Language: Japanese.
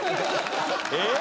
えっ？